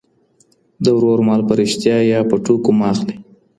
د ورور مال په رښتيا يا په ټوکو مه اخلئ.